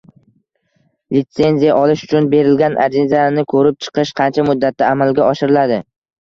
Litsenziya olish uchun berilgan arizani ko’rib chiqish qancha muddatda amalga oshiriladi?